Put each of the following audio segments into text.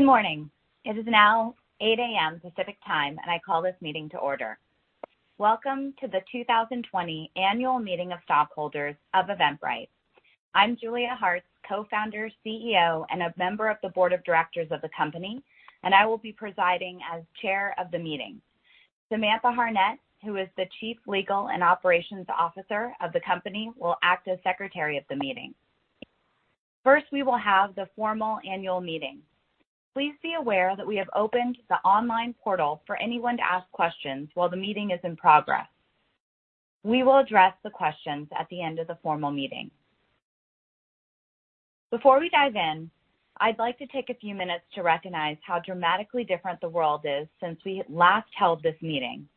Good morning. It is now 8:00 A.M. Pacific Time, and I call this meeting to order. Welcome to the 2020 Annual Meeting of Stockholders of Eventbrite. I'm Julia Hartz, co-founder, CEO, and a member of the board of directors of the company, and I will be presiding as chair of the meeting. Samantha Harnett, who is the Chief Legal and Operations Officer of the company, will act as secretary of the meeting. First, we will have the formal annual meeting. Please be aware that we have opened the online portal for anyone to ask questions while the meeting is in progress. We will address the questions at the end of the formal meeting. Before we dive in, I'd like to take a few minutes to recognize how dramatically different the world is since we last held this meeting.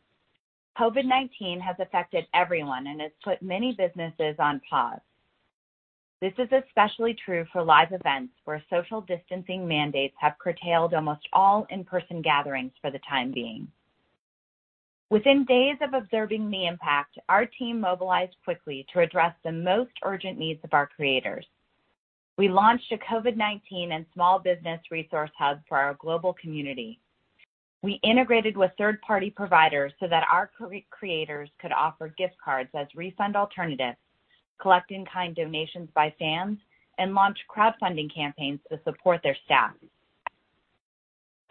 COVID-19 has affected everyone and has put many businesses on pause. This is especially true for live events where social distancing mandates have curtailed almost all in-person gatherings for the time being. Within days of observing the impact, our team mobilized quickly to address the most urgent needs of our creators. We launched a COVID-19 and small business resource hub for our global community. We integrated with third-party providers so that our creators could offer gift cards as refund alternatives, collect in-kind donations by fans, and launch crowdfunding campaigns to support their staff,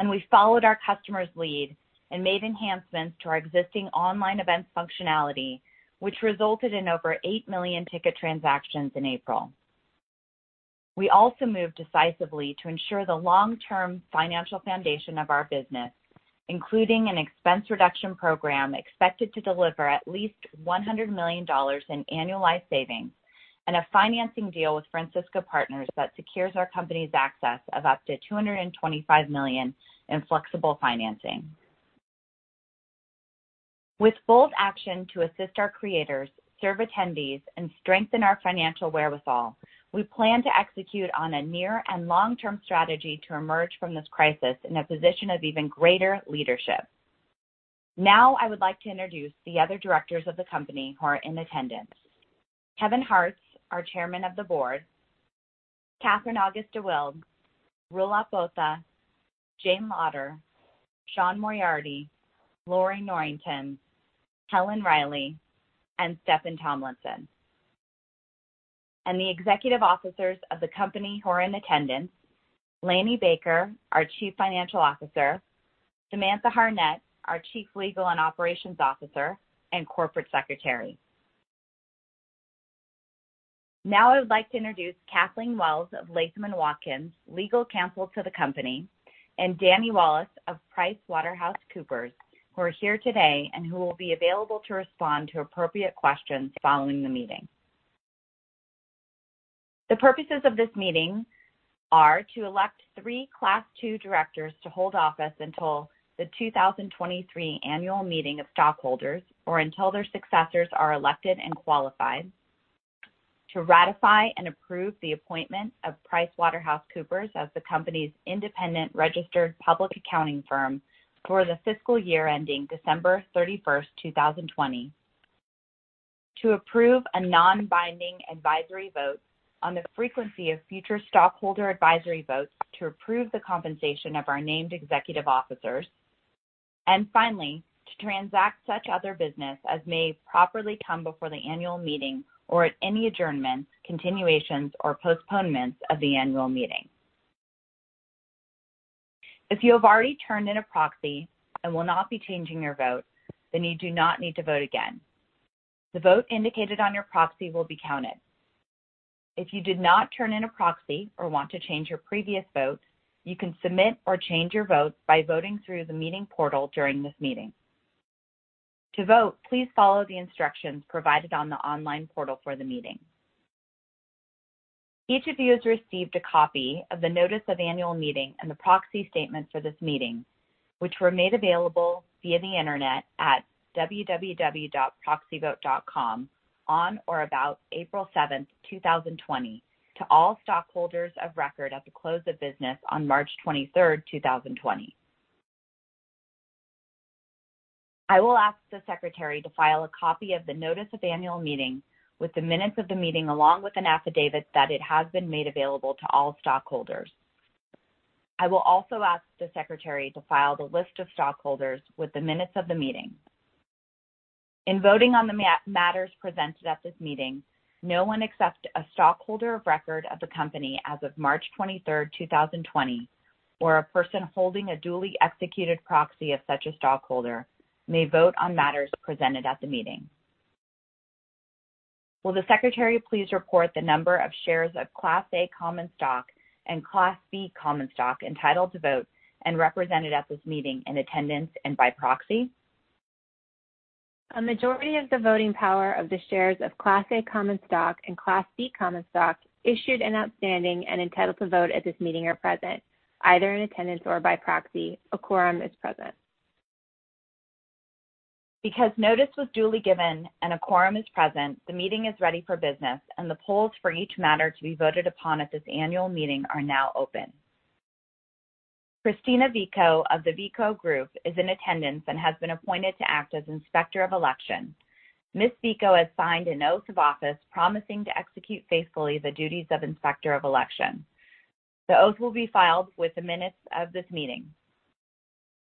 and we followed our customers' lead and made enhancements to our existing online events functionality, which resulted in over eight million ticket transactions in April. We also moved decisively to ensure the long-term financial foundation of our business, including an expense reduction program expected to deliver at least $100 million in annualized savings and a financing deal with Francisco Partners that secures our company's access of up to $225 million in flexible financing. With bold action to assist our creators, serve attendees, and strengthen our financial wherewithal, we plan to execute on a near and long-term strategy to emerge from this crisis in a position of even greater leadership. Now, I would like to introduce the other directors of the company who are in attendance: Kevin Hartz, our Chairman of the Board, Katherine August-deWilde, Roelof Botha, Jane Lauder, Sean Moriarty, Lori Norrington, Helen Riley, and Steffan Tomlinson. The executive officers of the company who are in attendance: Lanny Baker, our Chief Financial Officer, Samantha Harnett, our Chief Legal and Operations Officer and Corporate Secretary. Now, I would like to introduce Kathleen Wells of Latham & Watkins, legal counsel to the company, and Danny Wallace of PricewaterhouseCoopers, who are here today and who will be available to respond to appropriate questions following the meeting. The purposes of this meeting are to elect three Class II directors to hold office until the 2023 Annual Meeting of Stockholders or until their successors are elected and qualified. To ratify and approve the appointment of PricewaterhouseCoopers as the company's independent registered public accounting firm for the fiscal year ending December 31, 2020. To approve a non-binding advisory vote on the frequency of future stockholder advisory votes to approve the compensation of our named executive officers. And finally, to transact such other business as may properly come before the annual meeting or at any adjournments, continuations, or postponements of the annual meeting. If you have already turned in a proxy and will not be changing your vote, then you do not need to vote again. The vote indicated on your proxy will be counted. If you did not turn in a proxy or want to change your previous vote, you can submit or change your vote by voting through the meeting portal during this meeting. To vote, please follow the instructions provided on the online portal for the meeting. Each of you has received a copy of the notice of annual meeting and the proxy statement for this meeting, which were made available via the internet at www.proxyvote.com on or about April 7, 2020, to all stockholders of record at the close of business on March 23, 2020. I will ask the secretary to file a copy of the notice of annual meeting with the minutes of the meeting along with an affidavit that it has been made available to all stockholders. I will also ask the secretary to file the list of stockholders with the minutes of the meeting. In voting on the matters presented at this meeting, no one except a stockholder of record of the company as of March 23, 2020, or a person holding a duly executed proxy of such a stockholder may vote on matters presented at the meeting. Will the secretary please report the number of shares of Class A common stock and Class B common stock entitled to vote and represented at this meeting in attendance and by proxy? A majority of the voting power of the shares of Class A common stock and Class B common stock issued and outstanding and entitled to vote at this meeting are present, either in attendance or by proxy. A quorum is present. Because notice was duly given and a quorum is present, the meeting is ready for business, and the polls for each matter to be voted upon at this annual meeting are now open. Kristina Veaco of The Veaco Group is in attendance and has been appointed to act as inspector of election. Ms. Veaco has signed a notice of office promising to execute faithfully the duties of inspector of election. The oath will be filed with the minutes of this meeting.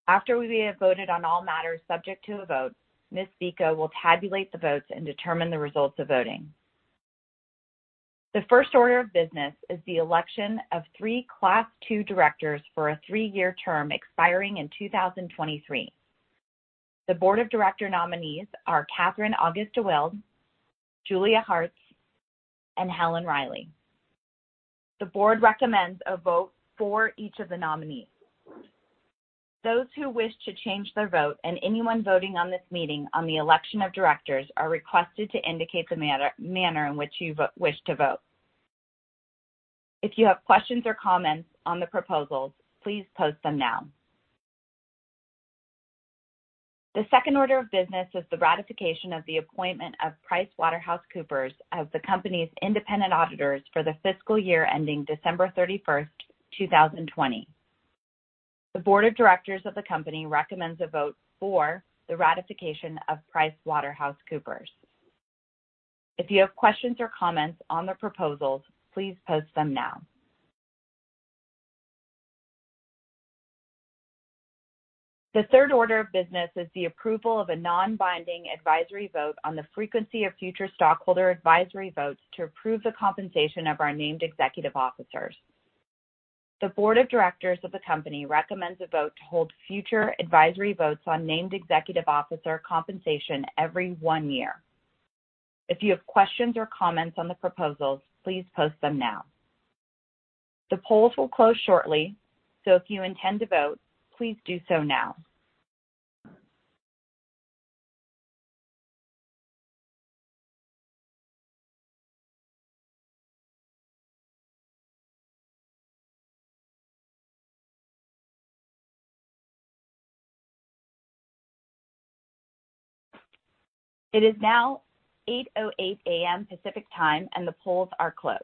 After we have voted on all matters subject to a vote, Ms. Veaco will tabulate the votes and determine the results of voting. The first order of business is the election of three Class II directors for a three-year term expiring in 2023. The board of directors nominees are Katherine August-deWilde, Julia Hartz, and Helen Riley. The board recommends a vote for each of the nominees. Those who wish to change their vote and anyone voting on this meeting on the election of directors are requested to indicate the manner in which you wish to vote. If you have questions or comments on the proposals, please post them now. The second order of business is the ratification of the appointment of PricewaterhouseCoopers as the company's independent auditors for the fiscal year ending December 31, 2020. The board of directors of the company recommends a vote for the ratification of PricewaterhouseCoopers. If you have questions or comments on the proposals, please post them now. The third order of business is the approval of a non-binding advisory vote on the frequency of future stockholder advisory votes to approve the compensation of our named executive officers. The board of directors of the company recommends a vote to hold future advisory votes on named executive officer compensation every one year. If you have questions or comments on the proposals, please post them now. The polls will close shortly, so if you intend to vote, please do so now. It is now 8:08 A.M. Pacific Time, and the polls are closed.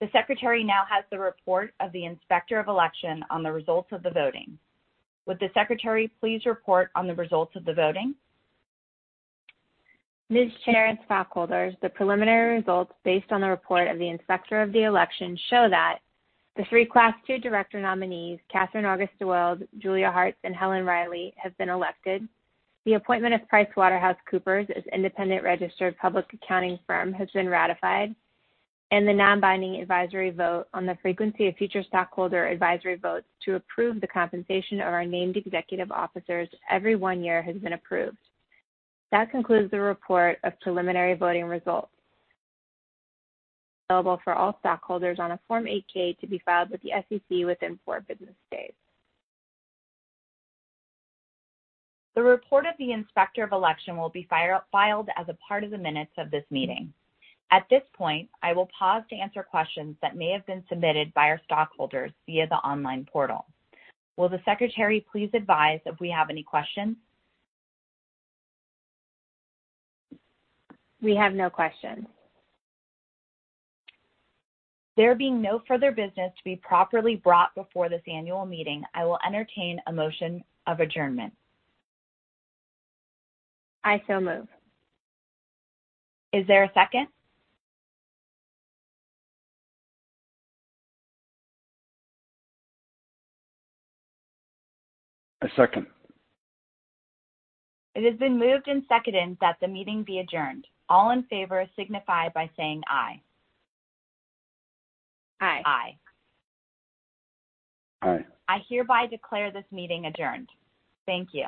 The secretary now has the report of the inspector of election on the results of the voting. Would the secretary please report on the results of the voting? Ms. Chair, and stockholders, the preliminary results based on the report of the inspector of the election show that the three Class II director nominees, Katherine August-deWilde, Julia Hartz, and Helen Riley, have been elected, the appointment of PricewaterhouseCoopers as independent registered public accounting firm has been ratified, and the non-binding advisory vote on the frequency of future stockholder advisory votes to approve the compensation of our named executive officers every one year has been approved. That concludes the report of preliminary voting results. Available for all stockholders on a Form 8-K to be filed with the SEC within four business days. The report of the inspector of election will be filed as a part of the minutes of this meeting. At this point, I will pause to answer questions that may have been submitted by our stockholders via the online portal. Will the secretary please advise if we have any questions? We have no questions. There being no further business to be properly brought before this annual meeting, I will entertain a motion of adjournment. I so move. Is there a second? A second. It has been moved and seconded that the meeting be adjourned. All in favor signify by saying aye. Aye. Aye. Aye. I hereby declare this meeting adjourned. Thank you.